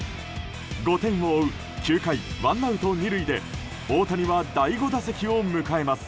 ５点を追う９回ワンアウト２塁で大谷は第５打席を迎えます。